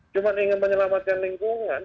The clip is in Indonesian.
cuma ingin menyelamatkan lingkungan